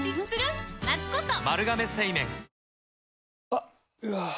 あっ、うわー。